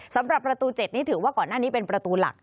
สำหรับประตู๗นี้ถือว่าก่อนหน้านี้เป็นประตูหลัก